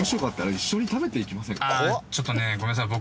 あぁちょっとねごめんなさい僕。